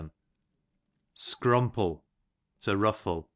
Scrumple, to ruffle.